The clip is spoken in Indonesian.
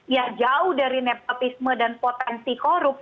ya jauh dari nepatisme dan potensi korup